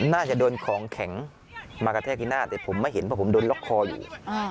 น่าจะโดนของแข็งมากระแทกที่หน้าแต่ผมไม่เห็นเพราะผมโดนล็อกคออยู่